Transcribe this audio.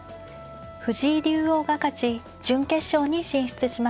藤井竜王が勝ち準決勝に進出しました。